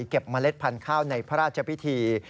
เมล็ดพันธุ์ข้าวในพระราชพิธี